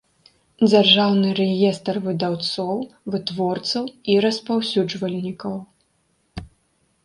ДЗЯРЖАЎНЫ РЭЕСТР ВЫДАЎЦОЎ, ВЫТВОРЦАЎ I РАСПАЎСЮДЖВАЛЬНIКАЎ